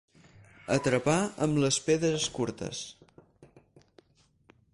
Atrapar amb les pedres curtes.